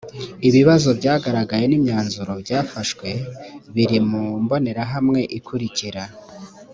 ibibazo byagaragaye n’imyanzuro byafashwe biri mu mbonerahamwe ikurikira